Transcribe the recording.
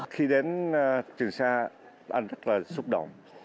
khi đến trường sa anh rất là xúc động